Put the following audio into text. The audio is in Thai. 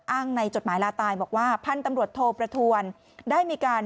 อ้างในจดหมายลาตายบอกว่าพันธุ์ตำรวจโทประทวนได้มีการ